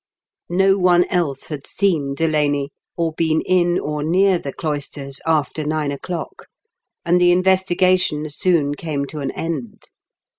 No one else had seen Delaney, or been in or near the cloisters, after nine o'clock, and the investigation soon came to an end.